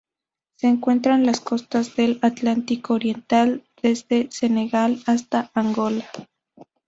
Se encuentra en las costas del Atlántico oriental, desde Senegal hasta Angola.